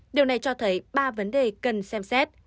điều này cho thấy ba vấn đề cần xem xét